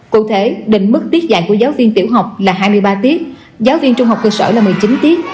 cụ thể định mức tiết dạy của giáo viên tiểu học là hai mươi ba tiết giáo viên trung học cơ sở là một mươi chín tiết